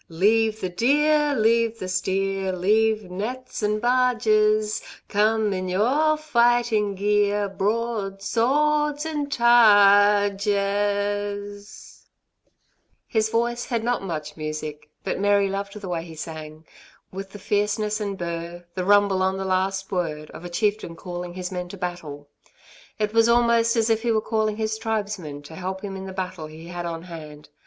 Leave the deer, leave the steer, Leave nets and barges; Come in your fighting gear, Broad swords and t a r ges. His voice had not much music, but Mary loved the way he sang, with the fierceness and burr, the rumble on the last word, of a chieftain calling his men to battle. It was almost as if he were calling his tribesmen to help him in the battle he had on hand.